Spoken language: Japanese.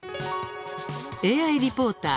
ＡＩリポーター